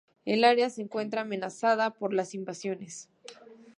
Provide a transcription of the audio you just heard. El área se encuentra amenazada por las invasiones.